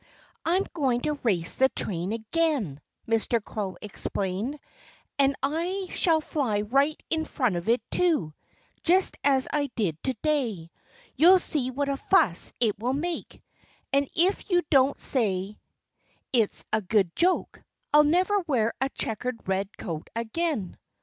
"I'm going to race the train again," Mr. Crow explained. "And I shall fly right in front of it, too just as I did to day. You'll see what a fuss it will make. And if you don't say it's a good joke, I'll never wear a checkered red coat again."